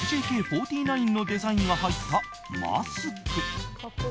ＦＪＫ４９のデザインが入ったマスク。